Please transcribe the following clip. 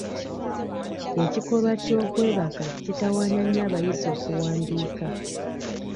Ekikolwa ky'okwebaka kitawaanya nnyo abayizi okuwandiika.